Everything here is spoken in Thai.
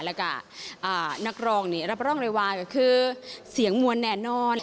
แล้วกะอ่านักรองนี้รับรองรายวาลก็คือเสียงมวลแน่นอน